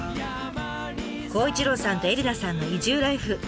孝一郎さんと恵里奈さんの移住ライフ。